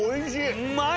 うまい！